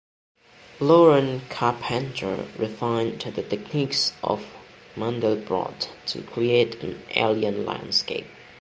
Loren Carpenter refined the techniques of Mandelbrot to create an alien landscape.